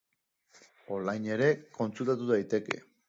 Online ere kontsultatu daiteke.